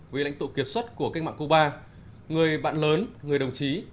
vị lãnh tụ kiệt xuất của cách mạng cuba người bạn lớn người đồng chí